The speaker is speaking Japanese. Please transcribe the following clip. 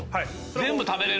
全部食べれる？